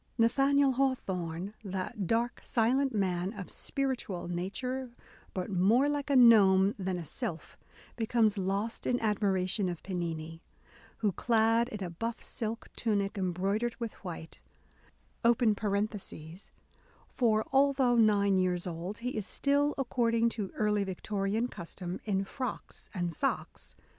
Nathaniel Hawthorne, that dark silent man "of spiritual nature, but more like a gnome than a sylph," becomes lost in admiration of Pennini, who, clad in a buff silk tunic embroidered with white, (for although nine years old, he is still, according to early Victorian custom, in frocks and socks